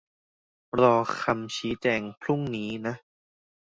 รอฟังคำชี้แจงพรุ่งนี้นะ